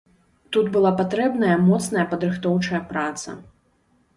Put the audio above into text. Тут была патрэбная моцная падрыхтоўчая праца.